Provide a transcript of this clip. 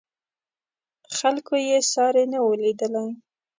خلکو یې ساری نه و لیدلی.